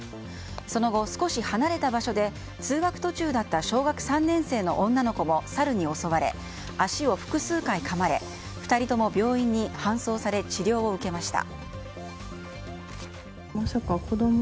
その後、少し離れた場所で通学途中だった小学３年生の女の子もサルに襲われ足を複数回かまれ、２人とも病院に搬送され治療を受けました。